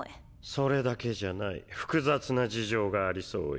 それだけじゃない複雑な事情がありそうよ。